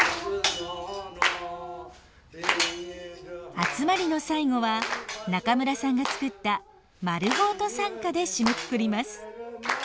集まりの最後は中村さんが作った「まるごーと賛歌」で締めくくります。